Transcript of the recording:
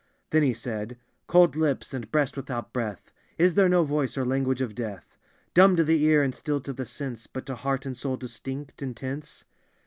Then he said, " Cold lips and breast without breath, Is there no voice or language of death, " Dumb to the car and still to the sense, But to heart and soul distinct, intense?